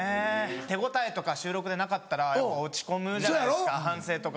手応えとか収録でなかったら落ち込むじゃないですか反省とか。